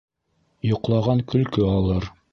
Йоҡлаған көлкө алыр